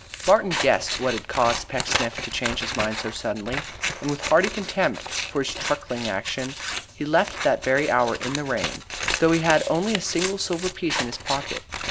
Martin guessed what had caused Pecksniff to change his mind so suddenly, and with hearty contempt for his truckling action, he left that very hour in the rain, though he had only a single silver piece in his pocket.